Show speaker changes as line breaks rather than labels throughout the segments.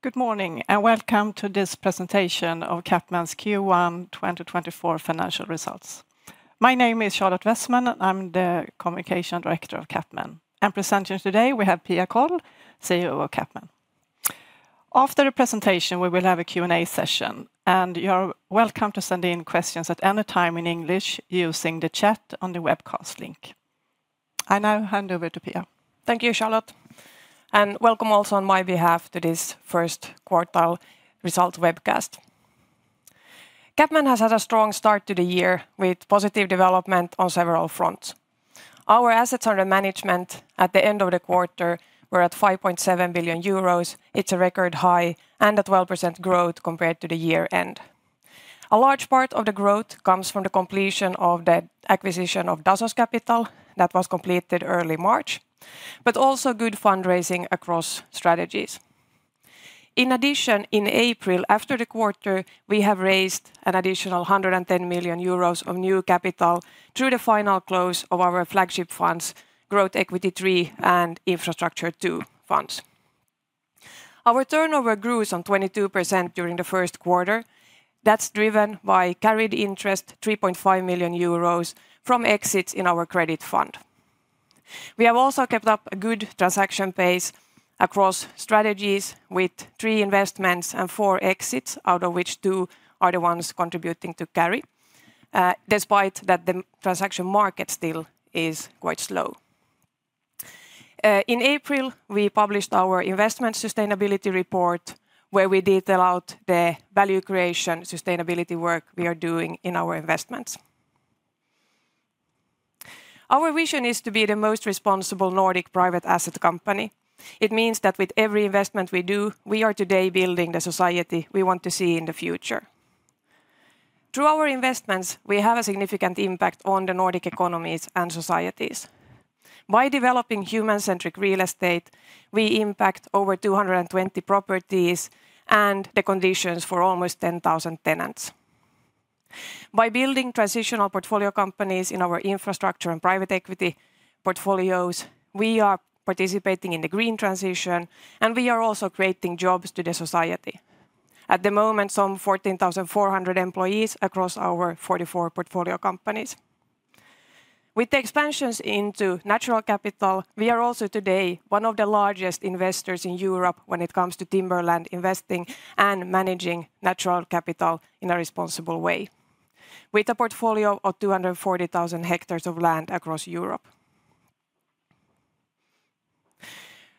Good morning and welcome to this presentation of CapMan's Q1 2024 financial results. My name is Charlotte Wessman, I'm the Communication Director of CapMan, and presenting today we have Pia Kåll, CEO of CapMan. After the presentation we will have a Q and A session, and you are welcome to send in questions at any time in English using the chat on the webcast link. I now hand over to Pia.
Thank you, Charlotte, and welcome also on my behalf to this first quarter results webcast. CapMan has had a strong start to the year with positive development on several fronts. Our assets under management at the end of the quarter were at 5.7 billion euros. It's a record high and a 12% growth compared to the year-end. A large part of the growth comes from the completion of the acquisition of Dasos Capital that was completed early March, but also good fundraising across strategies. In addition, in April after the quarter we have raised an additional 110 million euros of new capital through the final close of our flagship funds, Growth Equity III and Infrastructure II funds. Our turnover grew 22% during the first quarter. That's driven by carried interest, 3.5 million euros, from exits in our credit fund. We have also kept up a good transaction pace across strategies with three investments and four exits, out of which two are the ones contributing to carry, despite that the transaction market still is quite slow. In April we published our investment sustainability report where we detail out the value creation sustainability work we are doing in our investments. Our vision is to be the most responsible Nordic private asset company. It means that with every investment we do, we are today building the society we want to see in the future. Through our investments we have a significant impact on the Nordic economies and societies. By developing human-centric real estate, we impact over 220 properties and the conditions for almost 10,000 tenants. By building transitional portfolio companies in our infrastructure and private equity portfolios, we are participating in the green transition and we are also creating jobs to the society. At the moment, some 14,400 employees across our 44 portfolio companies. With the expansions into natural capital, we are also today one of the largest investors in Europe when it comes to timberland investing and managing natural capital in a responsible way, with a portfolio of 240,000 hectares of land across Europe.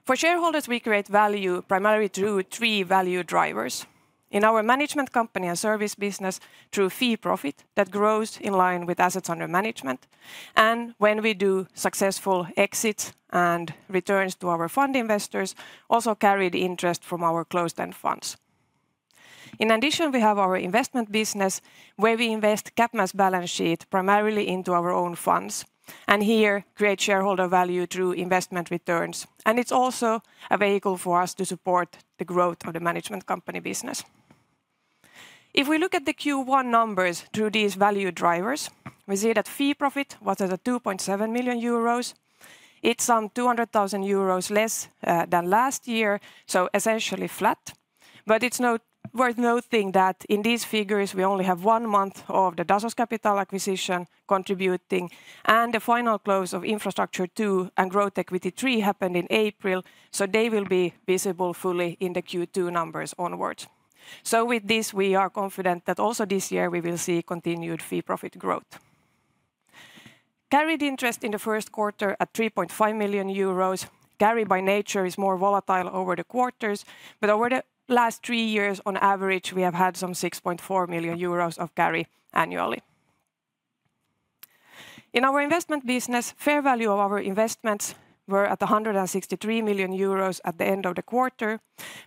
For shareholders, we create value primarily through three value drivers: in our management company and service business, through fee profit that grows in line with assets under management; and when we do successful exits and returns to our fund investors, also carried interest from our closed-end funds. In addition, we have our investment business where we invest CapMan's balance sheet primarily into our own funds and here create shareholder value through investment returns, and it's also a vehicle for us to support the growth of the management company business. If we look at the Q1 numbers through these value drivers, we see that Fee Profit was at 2.7 million euros. It's some 200,000 euros less than last year, so essentially flat, but it's worth noting that in these figures we only have one month of the Dasos Capital acquisition contributing, and the final close of Infrastructure II and Growth Equity III happened in April, so they will be visible fully in the Q2 numbers onwards. So with this, we are confident that also this year we will see continued Fee Profit growth. Carried interest in the first quarter at 3.5 million euros. Carry by nature is more volatile over the quarters, but over the last three years on average we have had some 6.4 million euros of carry annually. In our investment business, fair value of our investments were at 163 million euros at the end of the quarter,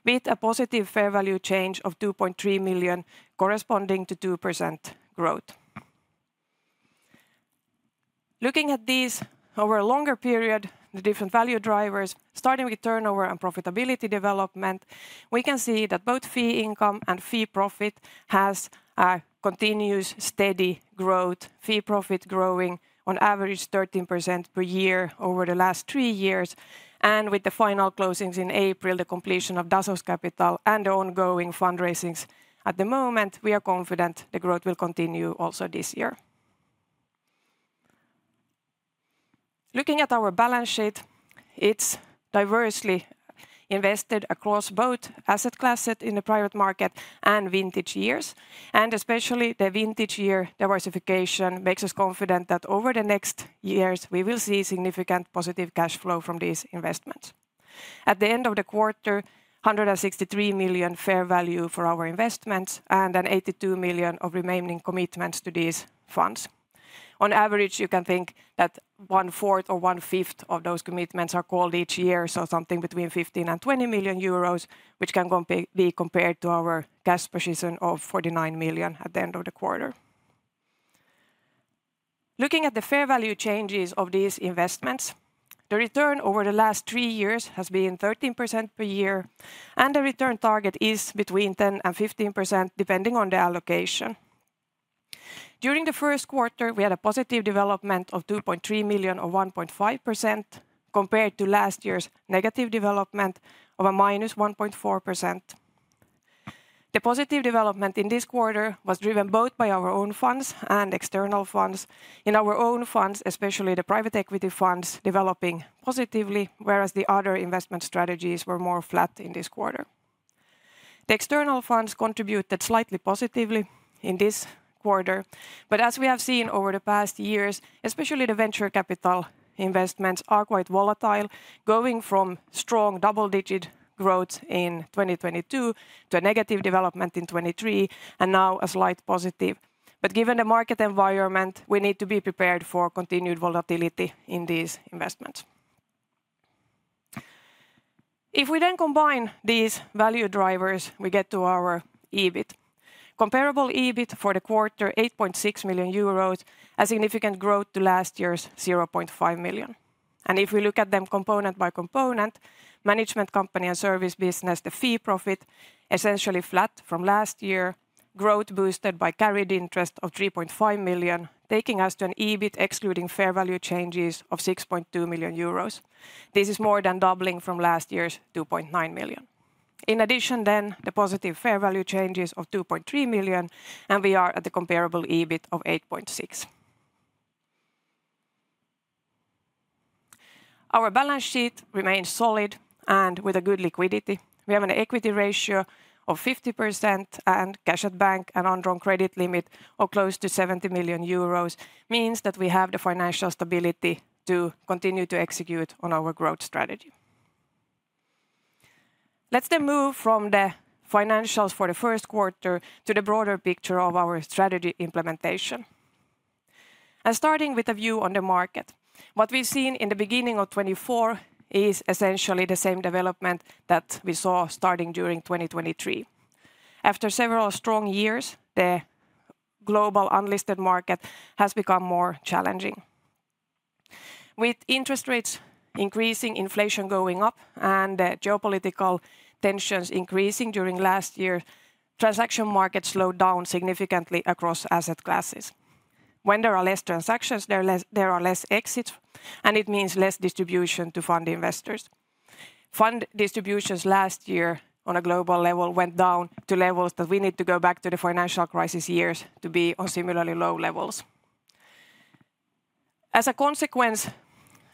with a positive fair value change of 2.3 million, corresponding to 2% growth. Looking at these over a longer period, the different value drivers, starting with turnover and profitability development, we can see that both fee income and fee profit have continuous steady growth, fee profit growing on average 13% per year over the last three years, and with the final closings in April, the completion of Dasos Capital, and the ongoing fundraisings, at the moment we are confident the growth will continue also this year. Looking at our balance sheet, it's diversely invested across both asset classes in the private market and vintage years, and especially the vintage year diversification makes us confident that over the next years we will see significant positive cash flow from these investments. At the end of the quarter, 163 million fair value for our investments and an 82 million of remaining commitments to these funds. On average, you can think that 1/4 or 1/5 of those commitments are called each year, so something between 15 million and 20 million euros, which can be compared to our cash position of 49 million at the end of the quarter. Looking at the fair value changes of these investments, the return over the last three years has been 13% per year, and the return target is between 10% and 15% depending on the allocation. During the first quarter, we had a positive development of 2.3 million or 1.5% compared to last year's negative development of a minus 1.4%. The positive development in this quarter was driven both by our own funds and external funds. In our own funds, especially the private equity funds, developing positively, whereas the other investment strategies were more flat in this quarter. The external funds contributed slightly positively in this quarter, but as we have seen over the past years, especially the venture capital investments are quite volatile, going from strong double-digit growth in 2022 to a negative development in 2023, and now a slight positive. But given the market environment, we need to be prepared for continued volatility in these investments. If we then combine these value drivers, we get to our EBIT. Comparable EBIT for the quarter, 8.6 million euros, a significant growth to last year's 0.5 million. And if we look at them component by component, management company and service business, the fee profit, essentially flat from last year, growth boosted by carried interest of 3.5 million, taking us to an EBIT excluding fair value changes of 6.2 million euros. This is more than doubling from last year's 2.9 million. In addition then, the positive fair value changes of 2.3 million, and we are at the comparable EBIT of 8.6. Our balance sheet remains solid and with a good liquidity. We have an equity ratio of 50% and cash at bank and undrawn credit limit of close to 70 million euros, means that we have the financial stability to continue to execute on our growth strategy. Let's then move from the financials for the first quarter to the broader picture of our strategy implementation. Starting with a view on the market, what we've seen in the beginning of 2024 is essentially the same development that we saw starting during 2023. After several strong years, the global unlisted market has become more challenging. With interest rates increasing, inflation going up, and the geopolitical tensions increasing during last year, transaction markets slowed down significantly across asset classes. When there are less transactions, there are less exits, and it means less distribution to fund investors. Fund distributions last year on a global level went down to levels that we need to go back to the financial crisis years to be on similarly low levels. As a consequence,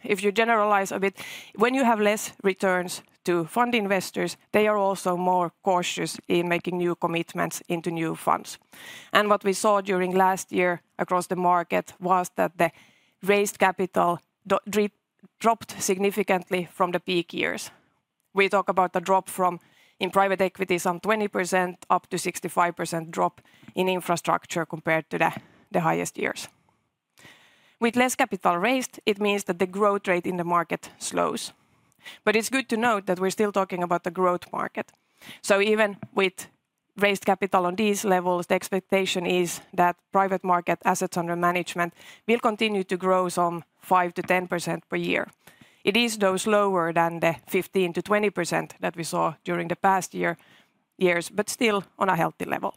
if you generalize a bit, when you have less returns to fund investors, they are also more cautious in making new commitments into new funds. What we saw during last year across the market was that the raised capital dropped significantly from the peak years. We talk about a drop from in private equity some 20% up to 65% drop in infrastructure compared to the highest years. With less capital raised, it means that the growth rate in the market slows. But it's good to note that we're still talking about the growth market. So even with raised capital on these levels, the expectation is that private market assets under management will continue to grow some 5%-10% per year. It is though slower than the 15%-20% that we saw during the past years, but still on a healthy level.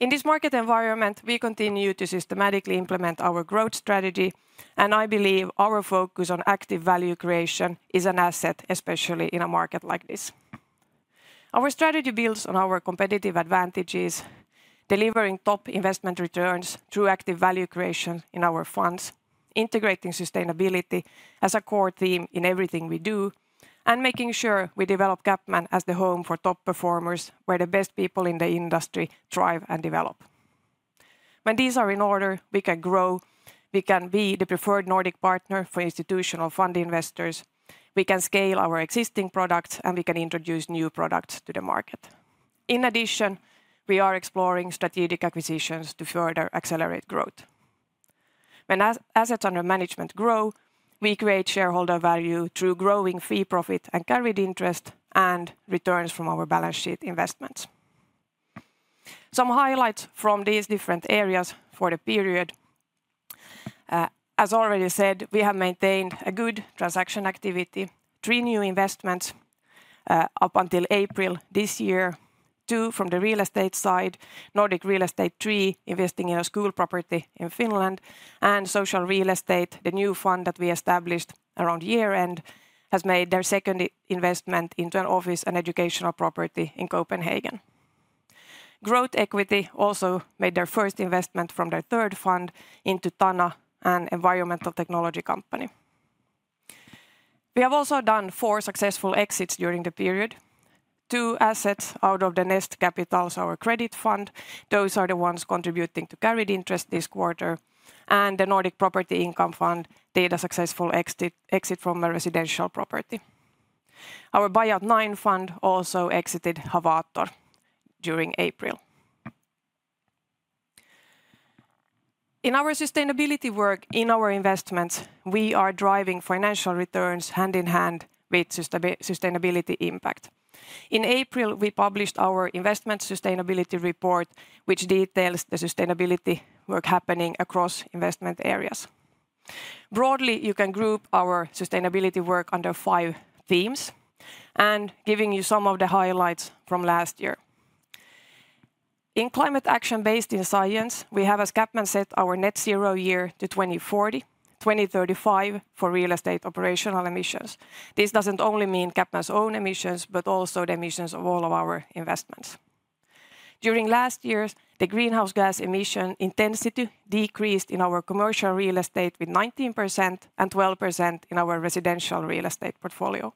In this market environment, we continue to systematically implement our growth strategy, and I believe our focus on active value creation is an asset, especially in a market like this. Our strategy builds on our competitive advantages, delivering top investment returns through active value creation in our funds, integrating sustainability as a core theme in everything we do, and making sure we develop CapMan as the home for top performers, where the best people in the industry thrive and develop. When these are in order, we can grow, we can be the preferred Nordic Partner for institutional fund investors, we can scale our existing products, and we can introduce new products to the market. In addition, we are exploring strategic acquisitions to further accelerate growth. When assets under management grow, we create shareholder value through growing fee profit and carried interest and returns from our balance sheet investments. Some highlights from these different areas for the period: As already said, we have maintained a good transaction activity, three new investments up until April this year, two from the real estate side, Nordic Real Estate III investing in a school property in Finland, and Social Real Estate, the new fund that we established around year-end, has made their second investment into an office and educational property in Copenhagen. Growth Equity also made their first investment from their third fund into Tana, an environmental technology company. We have also done four successful exits during the period: two assets out of the Mezzanine Capital, our credit fund, those are the ones contributing to carried interest this quarter, and the Nordic Property Income Fund did a successful exit from a residential property. Our Buyout IX fund also exited Havator during April. In our sustainability work in our investments, we are driving financial returns hand in hand with sustainability impact. In April, we published our investment sustainability report, which details the sustainability work happening across investment areas. Broadly, you can group our sustainability work under five themes, and giving you some of the highlights from last year. In climate action based in science, we have, as CapMan said, our net zero year to 2040, 2035 for real estate operational emissions. This doesn't only mean CapMan's own emissions, but also the emissions of all of our investments. During last years, the greenhouse gas emission intensity decreased in our commercial real estate with 19% and 12% in our residential real estate portfolio.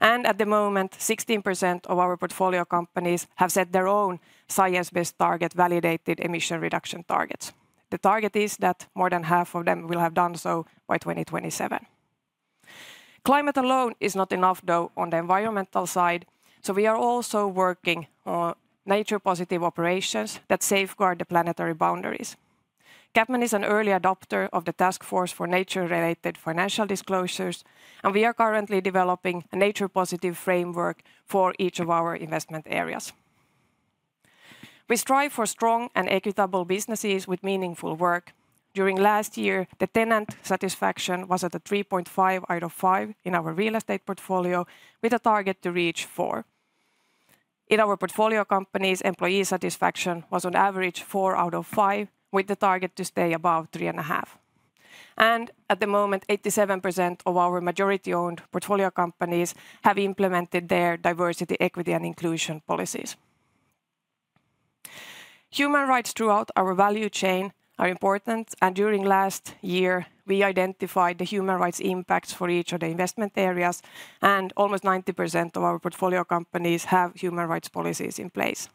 At the moment, 16% of our portfolio companies have set their own science-based target validated emission reduction targets. The target is that more than half of them will have done so by 2027. Climate alone is not enough though on the environmental side, so we are also working on nature-positive operations that safeguard the planetary boundaries. CapMan is an early adopter of the Task Force for Nature-related Financial Disclosures, and we are currently developing a nature-positive framework for each of our investment areas. We strive for strong and equitable businesses with meaningful work. During last year, the tenant satisfaction was at a 3.5 out of 5 in our real estate portfolio, with a target to reach 4. In our portfolio companies, employee satisfaction was on average 4 out of 5, with the target to stay above 3.5. At the moment, 87% of our majority-owned portfolio companies have implemented their diversity, equity, and inclusion policies. Human rights throughout our value chain are important, and during last year, we identified the human rights impacts for each of the investment areas, and almost 90% of our portfolio companies have human rights policies in place.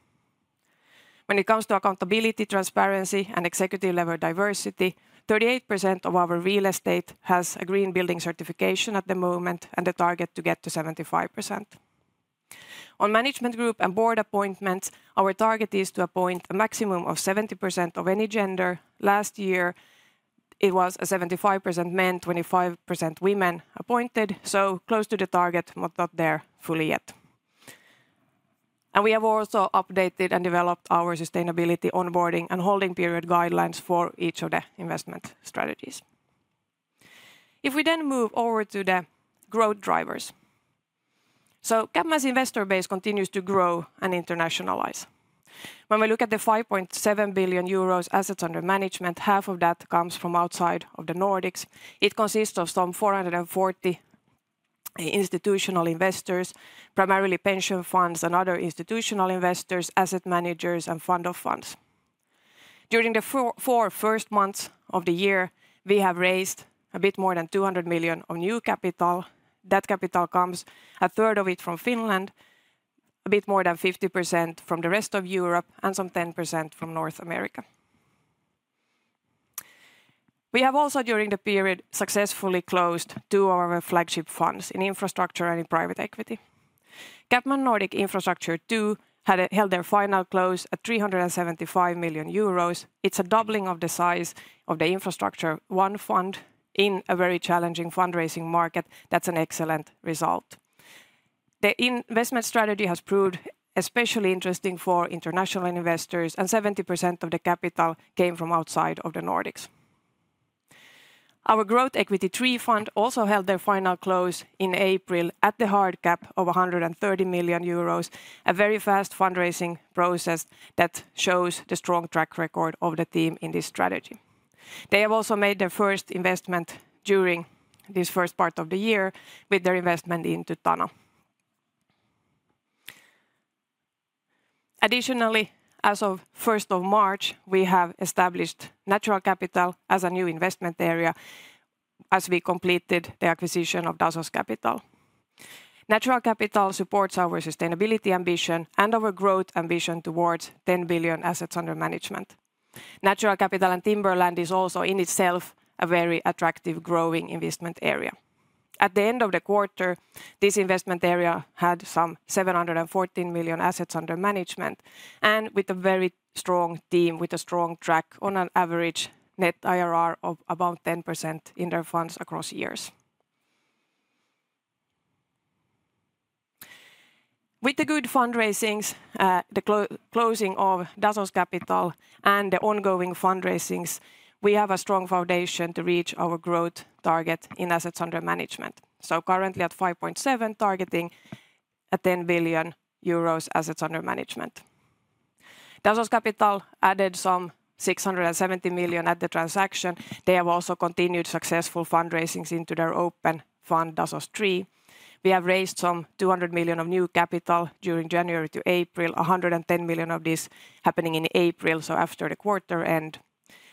When it comes to accountability, transparency, and executive-level diversity, 38% of our real estate has a green building certification at the moment, and the target to get to 75%. On management group and board appointments, our target is to appoint a maximum of 70% of any gender. Last year, it was 75% men, 25% women appointed, so close to the target, but not there fully yet. We have also updated and developed our sustainability onboarding and holding period guidelines for each of the investment strategies. If we then move over to the growth drivers: CapMan's investor base continues to grow and internationalize. When we look at the 5.7 billion euros assets under management, half of that comes from outside of the Nordics. It consists of some 440 institutional investors, primarily pension funds and other institutional investors, asset managers, and fund of funds. During the four first months of the year, we have raised a bit more than 200 million of new capital. That capital comes, a 3rd of it from Finland, a bit more than 50% from the rest of Europe, and some 10% from North America. We have also, during the period, successfully closed two of our flagship funds in infrastructure and in private equity. CapMan Nordic Infrastructure II held their final close at 375 million euros. It's a doubling of the size of the infrastructure I fund in a very challenging fundraising market. That's an excellent result. The investment strategy has proved especially interesting for international investors, and 70% of the capital came from outside of the Nordics. Our Growth Equity III fund also held their final close in April at the hard cap of 130 million euros, a very fast fundraising process that shows the strong track record of the team in this strategy. They have also made their first investment during this first part of the year with their investment into Tana. Additionally, as of 1st of March, we have established Natural Capital as a new investment area as we completed the acquisition of Dasos Capital. Dasos Capital supports our sustainability ambition and our growth ambition towards 10 billion assets under management. Natural Capital and Timberland is also in itself a very attractive growing investment area. At the end of the quarter, this investment area had some 714 million assets under management, and with a very strong team, with a strong track on an average net IRR of about 10% in their funds across years. With the good fundraisings, the closing of Dasos Capital, and the ongoing fundraisings, we have a strong foundation to reach our growth target in assets under management. So currently at 5.7 billion, targeting a 10 billion euros assets under management. Dasos Capital added some 670 million at the transaction. They have also continued successful fundraisings into their open fund, Dasos III. We have raised some 200 million of new capital during January to April, 110 million of this happening in April, so after the quarter end.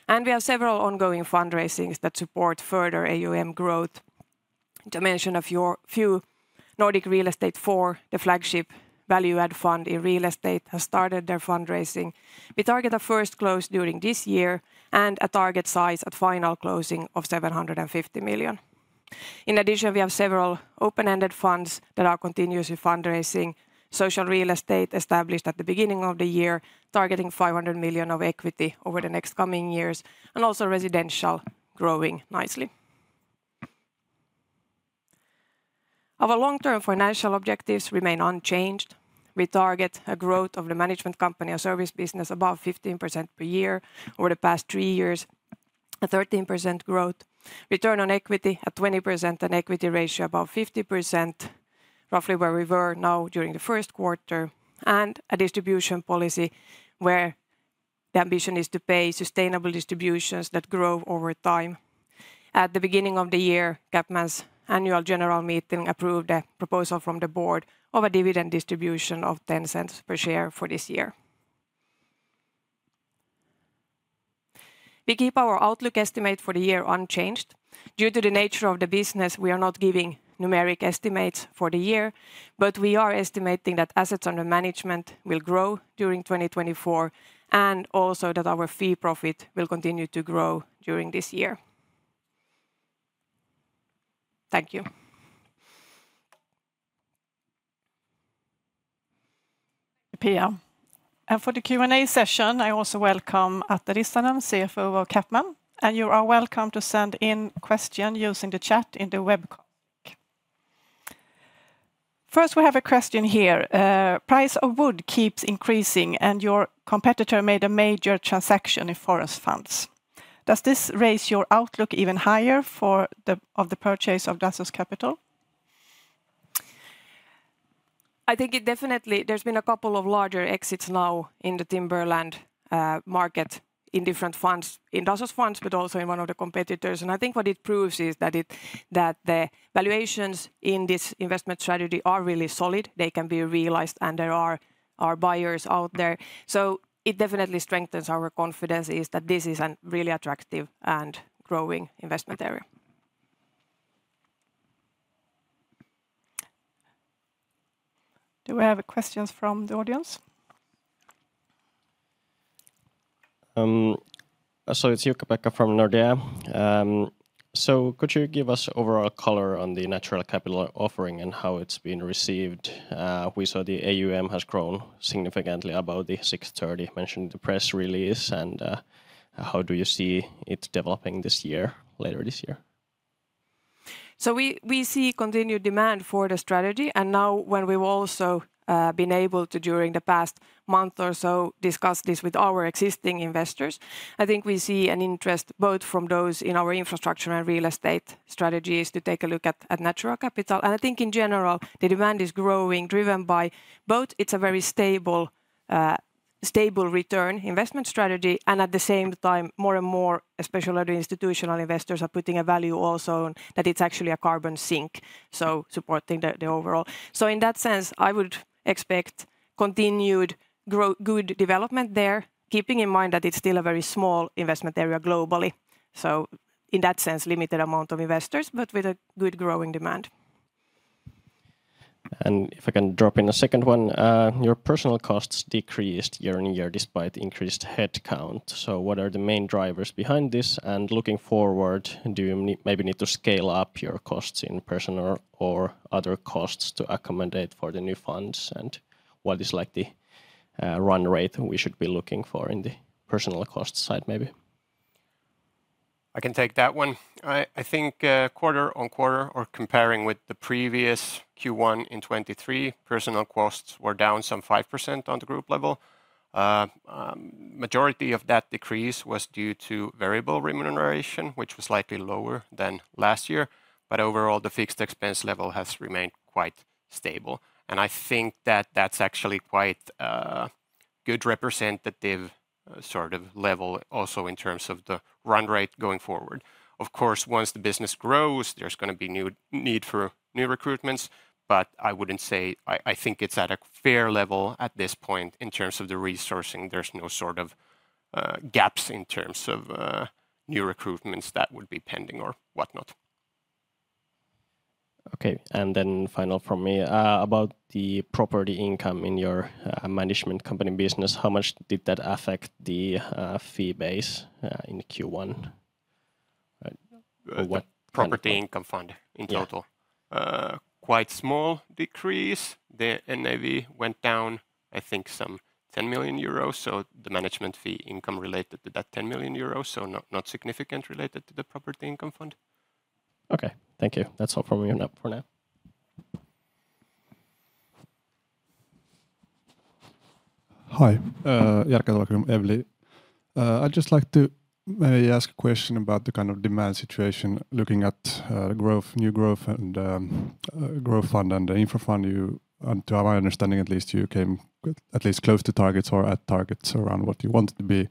And we have several ongoing fundraisings that support further AUM growth. To mention a few, Nordic Real Estate IV, the flagship value-add fund in real estate, has started their fundraising. We target a first close during this year and a target size at final closing of 750 million. In addition, we have several open-ended funds that are continuously fundraising, Social Real Estate established at the beginning of the year, targeting 500 million of equity over the next coming years, and also residential growing nicely. Our long-term financial objectives remain unchanged. We target a growth of the management company or service business above 15% per year over the past three years, a 13% growth, return on equity at 20%, an equity ratio above 50%, roughly where we were now during the first quarter, and a distribution policy where the ambition is to pay sustainable distributions that grow over time. At the beginning of the year, CapMan's Annual General Meeting approved a proposal from the board of a dividend distribution of 0.10 per share for this year. We keep our outlook estimate for the year unchanged. Due to the nature of the business, we are not giving numeric estimates for the year, but we are estimating that assets under management will grow during 2024 and also that our fee profit will continue to grow during this year. Thank you.
Pia, for the Q and A session, I also welcome Atte Rissanen, CFO of CapMan. You are welcome to send in questions using the chat in the webcast link. First, we have a question here. Price of wood keeps increasing, and your competitor made a major transaction in forest funds. Does this raise your outlook even higher for the purchase of Dasos Capital?
I think it definitely. There's been a couple of larger exits now in the timberland market in different funds, in Dasos Funds, but also in one of the competitors. I think what it proves is that the valuations in this investment strategy are really solid. They can be realized, and there are buyers out there. It definitely strengthens our confidence that this is a really attractive and growing investment area.
Do we have questions from the audience?
It's Jukka-Pekka from Nordea. Could you give us overall color on the Natural Capital offering and how it's been received? We saw the AUM has grown significantly about the 630 million, mentioned in the press release. How do you see it developing later this year?
So we see continued demand for the strategy. And now, when we've also been able to, during the past month or so, discuss this with our existing investors, I think we see an interest both from those in our infrastructure and real estate strategies to take a look at Natural Capital. And I think, in general, the demand is growing, driven by both, it's a very stable return investment strategy, and at the same time, more and more, especially the institutional investors are putting a value also on that it's actually a carbon sink, so supporting the overall. So in that sense, I would expect continued good development there, keeping in mind that it's still a very small investment area globally. So in that sense, limited amount of investors, but with a good growing demand.
If I can drop in a second one, your personnel costs decreased year-on-year despite increased headcount. So what are the main drivers behind this? And looking forward, do you maybe need to scale up your costs in personnel or other costs to accommodate for the new funds? And what is like the run rate we should be looking for in the personnel cost side, maybe?
I can take that one. I think quarter-over-quarter, or comparing with the previous Q1 in 2023, personal costs were down some 5% on the group level. The majority of that decrease was due to variable remuneration, which was slightly lower than last year. But overall, the fixed expense level has remained quite stable. And I think that that's actually quite a good representative sort of level also in terms of the run rate going forward. Of course, once the business grows, there's going to be need for new recruitments. But I wouldn't say. I think it's at a fair level at this point in terms of the resourcing. There's no sort of gaps in terms of new recruitments that would be pending or whatnot.
Okay. And then final from me. About the property income in your management company business, how much did that affect the fee base in Q1?
Property income fund in total?
Yeah.
Quite small decrease. The NAV went down, I think, some 10 million euros. So the management fee income related to that 10 million euros, so not significant related to the Property Income Fund.
Okay. Thank you. That's all from me for now.
Jerker Salokivi from Evli. I'd just like to maybe ask a question about the kind of demand situation, looking at the new growth fund and the infra fund. To my understanding, at least, you came at least close to targets or at targets around what you wanted to be.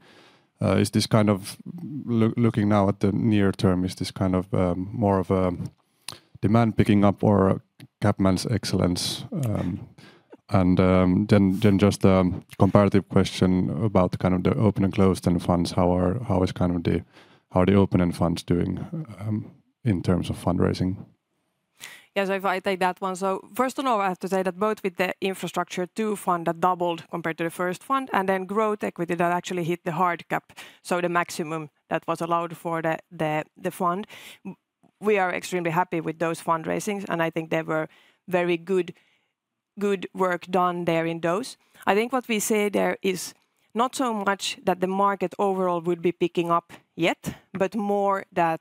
Is this kind of looking now at the near term, is this kind of more of a demand picking up or CapMan's excellence? And then just a comparative question about kind of the open and closed-end funds, how is kind of the open-end funds doing in terms of fundraising?
Yes, if I take that one. So first of all, I have to say that both with the Infrastructure II fund that doubled compared to the first fund, and then Growth Equity that actually hit the hard Cap, so the maximum that was allowed for the fund. We are extremely happy with those fundraisings, and I think there was very good work done there in those. I think what we say there is not so much that the market overall would be picking up yet, but more that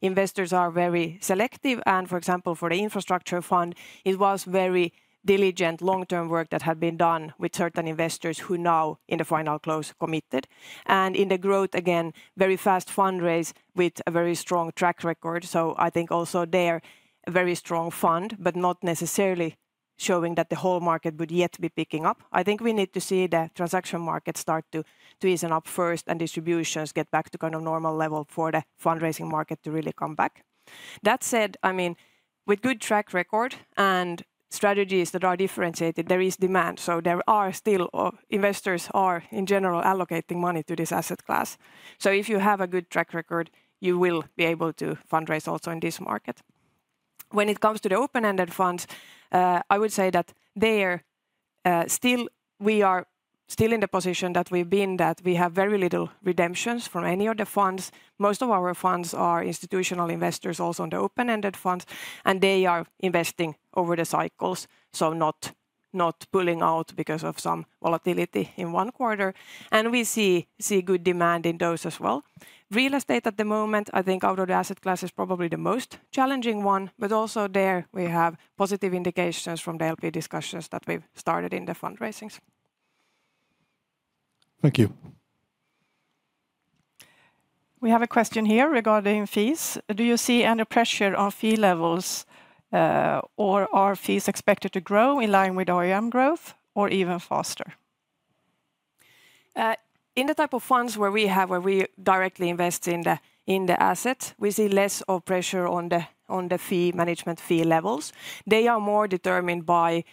investors are very selective. And for example, for the Infrastructure fund, it was very diligent long-term work that had been done with certain investors who now, in the final close, committed. And in the Growth, again, very fast fundraise with a very strong track record. So I think also there, a very strong fund, but not necessarily showing that the whole market would yet be picking up. I think we need to see the transaction market start to ease up first and distributions get back to kind of normal level for the fundraising market to really come back. That said, I mean, with a good track record and strategies that are differentiated, there is demand. So there are still investors, in general, allocating money to this asset class. So if you have a good track record, you will be able to fundraise also in this market. When it comes to the open-ended funds, I would say that there, still, we are still in the position that we've been: we have very little redemptions from any of the funds. Most of our funds are institutional investors also in the open-ended funds, and they are investing over the cycles, so not pulling out because of some volatility in one quarter. We see good demand in those as well. Real estate at the moment, I think out of the asset classes, is probably the most challenging one. But also there, we have positive indications from the LP discussions that we've started in the fundraisings.
Thank you.
We have a question here regarding fees. Do you see any pressure on fee levels, or are fees expected to grow in line with AUM growth or even faster?
In the type of funds where we have, where we directly invest in the assets, we see less pressure on the fee management fee levels. They are more determined by,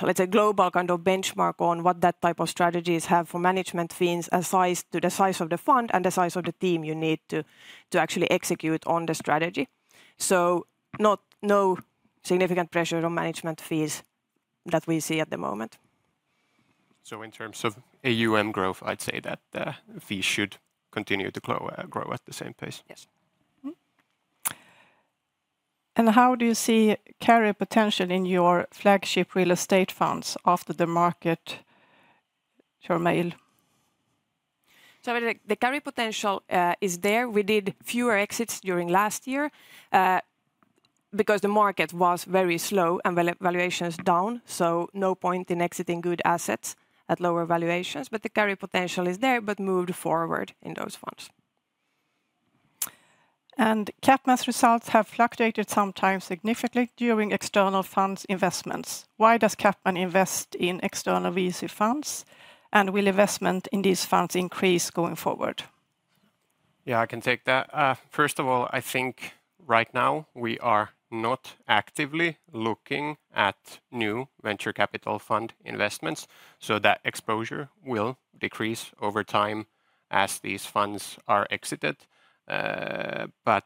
let's say, a global kind of benchmark on what that type of strategies have for management fees as sized to the size of the fund and the size of the team you need to actually execute on the strategy. So no significant pressure on management fees that we see at the moment.
In terms of AUM growth, I'd say that fees should continue to grow at the same pace.
Yes.
How do you see carry potential in your flagship real estate funds after the market?
So the carry potential is there. We did fewer exits during last year because the market was very slow and valuations down. So no point in exiting good assets at lower valuations. But the carry potential is there, but moved forward in those funds.
CapMan's results have fluctuated sometimes significantly during external funds investments. Why does CapMan invest in external VC funds? Will investment in these funds increase going forward?
Yeah, I can take that. First of all, I think right now we are not actively looking at new venture capital fund investments. So that exposure will decrease over time as these funds are exited. But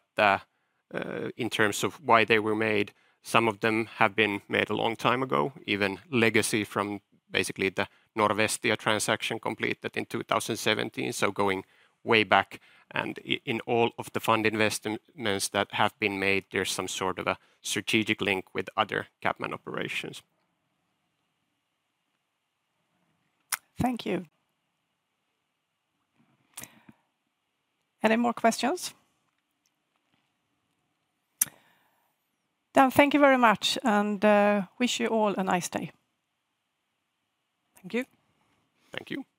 in terms of why they were made, some of them have been made a long time ago, even legacy from basically the Norvestia transaction completed in 2017. So going way back. And in all of the fund investments that have been made, there's some sort of a strategic link with other CapMan operations.
Thank you. Any more questions? Then, thank you very much and wish you all a nice day.
Thank you.
Thank you.